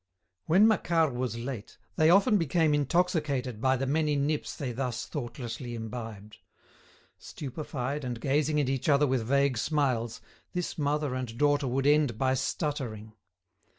When Macquart was late, they often became intoxicated by the many "nips" they thus thoughtlessly imbibed. Stupefied and gazing at each other with vague smiles, this mother and daughter would end by stuttering.